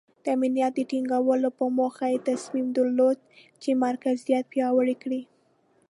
د امنیت د ټینګولو په موخه یې تصمیم درلود چې مرکزیت پیاوړی کړي.